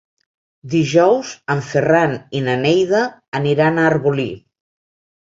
Dijous en Ferran i na Neida aniran a Arbolí.